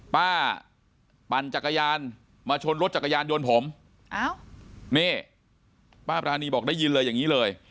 ปั่นจักรยานมาชนรถจักรยานยนต์ผมอ้าวนี่ป้าปรานีบอกได้ยินเลยอย่างนี้เลย